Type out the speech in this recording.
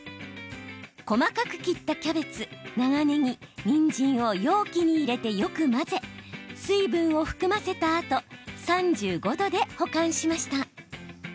細かく切ったキャベツ、長ねぎにんじんを容器に入れてよく混ぜ水分を含ませたあと３５度で保管しました。